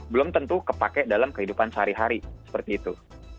belum tentu kepake dalam kehidupan sehari hari seperti itu